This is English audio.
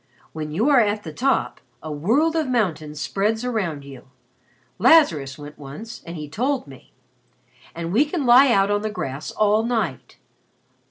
"When you are at the top, a world of mountains spreads around you. Lazarus went once and told me. And we can lie out on the grass all night.